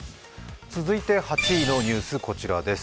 続いて８位のニュースこちらです。